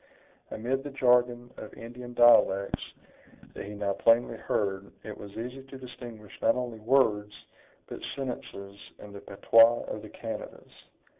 Amid the jargon of Indian dialects that he now plainly heard, it was easy to distinguish not only words, but sentences, in the patois of the Canadas.